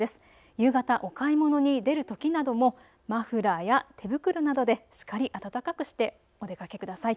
夕方お買い物に出るときなどもマフラーや手袋などでしっかり暖かくしてお出かけください。